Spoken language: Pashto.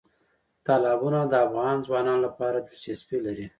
تالابونه د افغان ځوانانو لپاره دلچسپي لري.